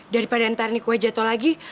daripada ntar ini kue jatoh lagi